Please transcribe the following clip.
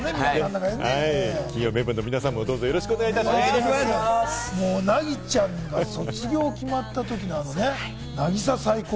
金曜メンバーの皆さんもどう凪ちゃんが卒業決まったときのあれね、『渚サイコー！』。